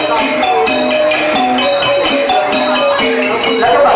เฉพาะเป็นเวิมโมก่อน